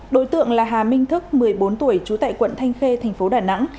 đối tượng là hà minh thức một mươi bốn tuổi trú tại quận thanh khê tp đà nẵng